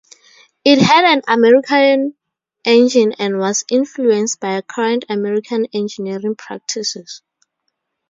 It had an American engine and was influenced by current American engineering practices.